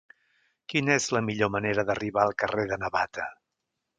Quina és la millor manera d'arribar al carrer de Navata?